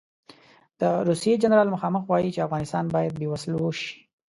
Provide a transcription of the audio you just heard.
د روسیې جنرال مخامخ وایي چې افغانستان باید بې وسلو شي.